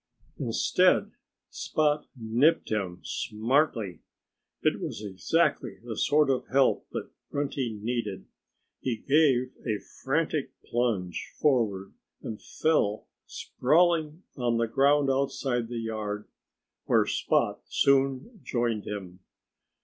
Instead, Spot nipped him smartly. It was exactly the sort of help that Grunty needed. He gave a frantic plunge forward and fell, sprawling, on the ground outside the yard, where Spot soon joined him.